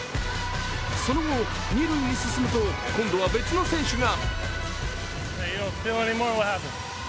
その後、二塁に進むと今度は別の選手が。